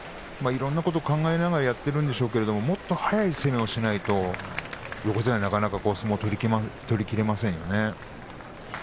いろんなことを考えながらやっているんでしょうけれどももっと速い攻めをしないと横綱には、なかなか相撲を取りきれませんよね。